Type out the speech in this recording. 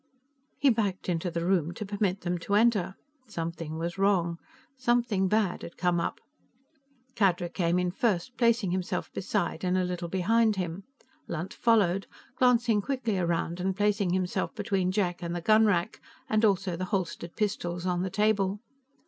He backed into the room to permit them to enter. Something was wrong; something bad had come up. Khadra came in first, placing himself beside and a little behind him. Lunt followed, glancing quickly around and placing himself between Jack and the gunrack and also the holstered pistols on the table.